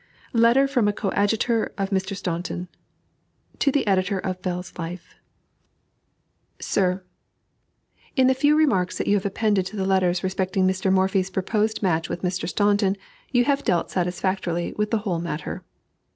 LETTER FROM A COADJUTOR OF MR. STAUNTON. To the Editor of Bell's Life: SIR, In the few remarks that you have appended to the letters respecting Mr. Morphy's proposed match with Mr. Staunton you have dealt satisfactorily with the whole matter.